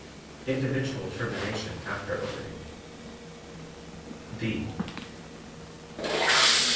Individual Termination After Opening D.